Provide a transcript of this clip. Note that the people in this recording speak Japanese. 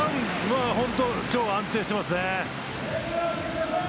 今日は安定していますね。